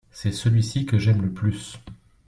c'est celui-ci que j'aime le plus.